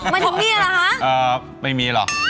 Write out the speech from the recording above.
เห้ยหมายถึงเมียเหรอฮะ